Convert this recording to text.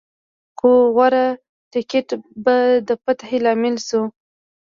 خو غوره تکتیک به د فتحې لامل شو.